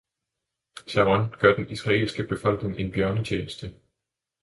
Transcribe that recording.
Sharon gør den israelske befolkning en bjørnetjeneste.